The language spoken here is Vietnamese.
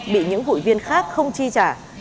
bị những hụi viên khác không chi trả